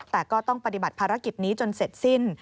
แต่ก็ต้องปฏิบัติภารกิจนี้จนเสร็จสิ้น